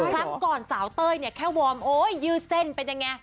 ครั้งก่อนสาวเต้ยเนี่ยแค่วอร์มโอ๊ยยืดเส้นเป็นยังไง